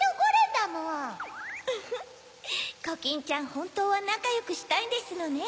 ホントはなかよくしたいんですのね。